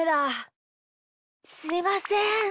すいません。